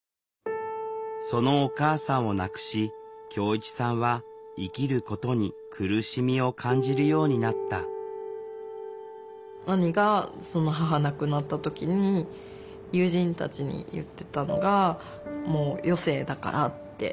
そのお母さんを亡くし恭一さんは生きることに苦しみを感じるようになった兄がその母亡くなった時に友人たちに言ってたのが「もう余生だから」って。